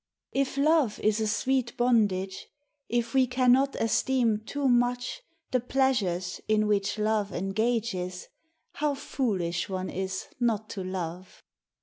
[If love is a sweet bondage, If we cannot esteem too much The pleasures in which love engages, How foolish one is not to love!